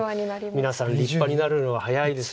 皆さん立派になるのが早いです。